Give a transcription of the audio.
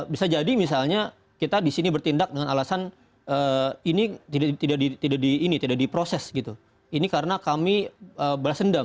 bisa jadi misalnya kita di sini bertindak dengan alasan ini tidak diproses ini karena kami berlarsendam